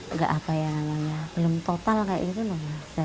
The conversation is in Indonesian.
enggak apa yang belum total kayak gitu loh